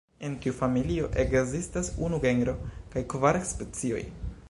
En tiu familio ekzistas unu genro kaj kvar specioj.